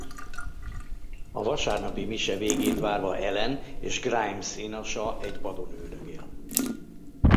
A vasárnapi mise végét várva Ellen és Grimes inasa egy padon üldögél.